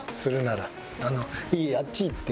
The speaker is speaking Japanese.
いいあっち行って。